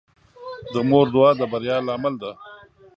د مور دعا د بریا لامل ده.